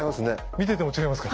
見てても違いますか。